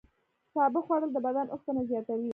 سابه خوړل د بدن اوسپنه زیاتوي.